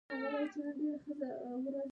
چرګان د شپې آرام ته اړتیا لري.